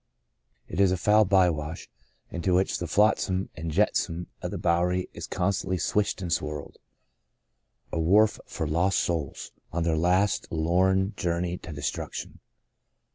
It is a foul by wash, into which the flotsam and jetsam of the Bowery is constantly swished and swirled — a wharf for lost souls, on their last, lorn journey to destruction.